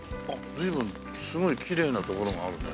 随分すごいきれいな所があるね。